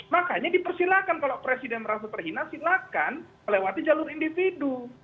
makanya dipersilahkan kalau presiden merasa terhina silahkan melewati jalur individu